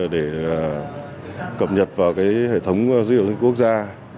để cập nhật vào hệ thống dữ liệu quốc gia